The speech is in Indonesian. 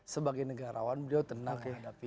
sebagai negarawan mereka tenang dihadapi